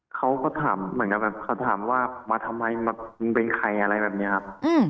เขาก็ถามว่ามาทำไมมึงเป็นใครอะไรแบบเนี้ยครับ